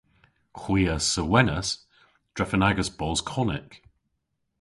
Hwi a sewenas drefen agas bos konnyk.